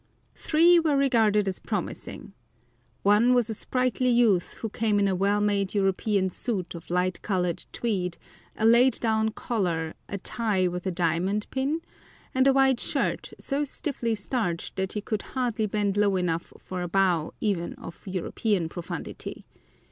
Three were regarded as promising. One was a sprightly youth who came in a well made European suit of light coloured tweed, a laid down collar, a tie with a diamond (?) pin, and a white shirt, so stiffly starched, that he could hardly bend low enough for a bow even of European profundity.